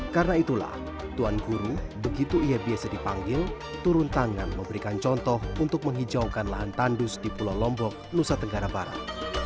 karena itulah tuan guru begitu ia biasa dipanggil turun tangan memberikan contoh untuk menghijaukan lahan tandus di pulau lombok nusa tenggara barat